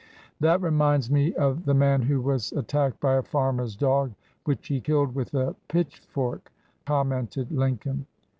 "That reminds me of the man who was at tacked by a farmer's dog, which he killed with a pitchfork," commented Lincoln.